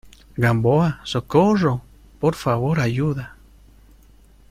¡ Gamboa! ¡ socorro !¡ por favor, ayuda !